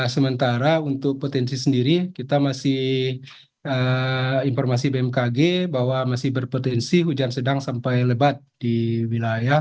sementara untuk potensi sendiri kita masih informasi bmkg bahwa masih berpotensi hujan sedang sampai lebat di wilayah